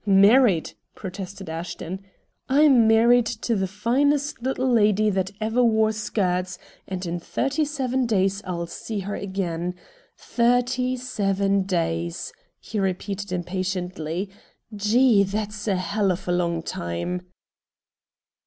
"Married!" protested Ashton. "I'm married to the finest little lady that ever wore skirts, and in thirty seven days I'll see her again. Thirty seven days," he repeated impatiently. "Gee! That's a hell of a long time!"